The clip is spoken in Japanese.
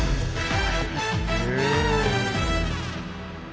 へえ。